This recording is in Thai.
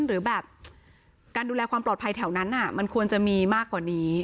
หรือแบบการดูแลความปลอดภัยแถวนั้นมันควรจะมีมากกว่านี้